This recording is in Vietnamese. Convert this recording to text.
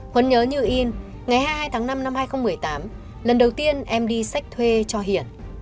huấn nhớ như in ngày hai mươi hai tháng năm năm hai nghìn một mươi tám lần đầu tiên em đi sách thuê cho hiển